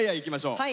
はい。